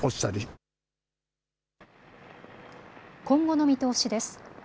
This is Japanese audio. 今後の見通しです。